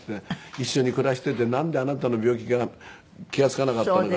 一緒に暮らしててなんであなたの病気が気が付かなかったのか。